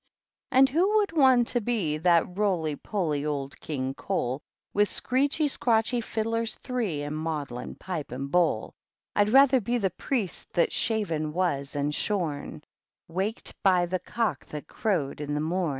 And who would want to be That roly poly old King Cole, With screechy, scrawchy fiddlers three And muudlin pipe and bovd? 266 THE GREAT OCCASION. Pd rather be the Priest that shaven was^ an shorUy Waked by the Cock that crowded in t] mom!